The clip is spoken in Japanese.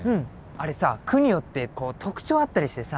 あれさ区によってこう特徴あったりしてさ。